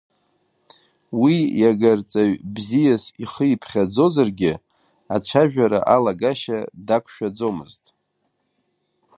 Уи иага рҵаҩ бзиас ихы иԥхьаӡозаргьы, ацәажәара алагашьа дақәшәаӡомызт.